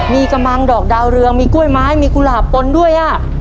มีกระมังดอกดาวเรืองมีกล้วยไม้มีกุหลาบปนด้วย